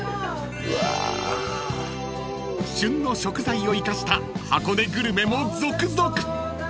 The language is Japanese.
［旬の食材を生かした箱根グルメも続々！］